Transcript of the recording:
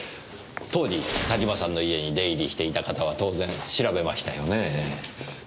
当時田島さんの家に出入りしていた方は当然調べましたよねぇ。